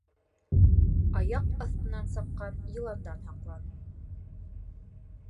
Аяҡ аҫтынан саҡҡан йыландан һаҡлан